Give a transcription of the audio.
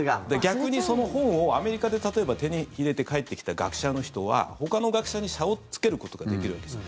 逆にその本をアメリカで例えば手に入れて帰ってきた学者の人はほかの学者に差をつけることができるんです。